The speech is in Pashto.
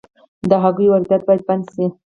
د هګیو واردات باید بند شي